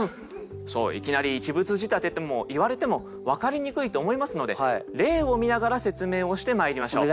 いきなり一物仕立てと言われても分かりにくいと思いますので例を見ながら説明をしてまいりましょう。